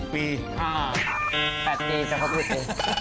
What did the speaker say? ๕ปี๘ปีจะคบ๑๐ปี